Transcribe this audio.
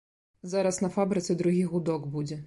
Зараз на фабрыцы другі гудок будзе.